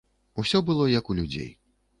Усё было як у людзей.